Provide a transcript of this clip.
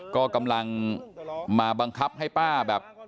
ก็กำลังมาบังคับให้ป้าแบบ